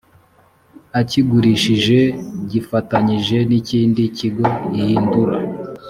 akigurishije yifatanyije n ikindi kigo ihindura